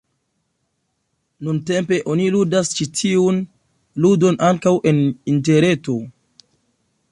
Nuntempe oni ludas ĉi tiun ludon ankaŭ en interreto.